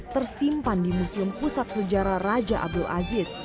tersimpan di museum pusat sejarah raja abdul aziz